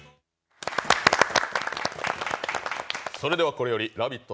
これよりラヴィット！